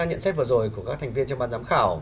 nhận xét vừa rồi của các thành viên trong ban giám khảo